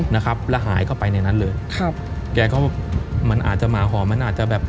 นะครับแล้วหายเข้าไปในนั้นเลยครับแกก็มันอาจจะหมาหอมมันอาจจะแบบ